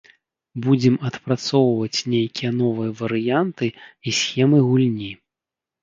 Будзем адпрацоўваць нейкія новыя варыянты і схемы гульні.